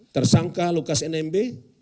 tersangka lukas nmb